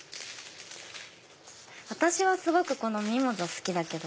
私はすごくこのミモザ好きだけど。